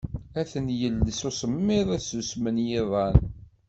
Ad t-yels usemmiḍ, ad susmen yiḍan